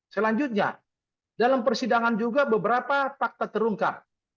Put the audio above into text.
selanjutnya dalam persidangan juga beberapa fakta terungkap